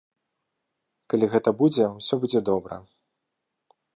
Калі гэта будзе, усё будзе добра.